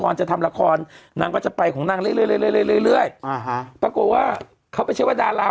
อย่างนั้นก็ชอบใช้ว่าที่